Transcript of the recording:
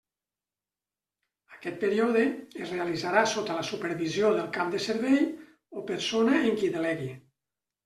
Aquest període es realitzarà sota la supervisió del Cap de Servei o persona en qui delegui.